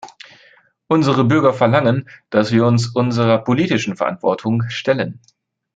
Unsere Bürger verlangen, dass wir uns unserer politischen Verantwortung stellen.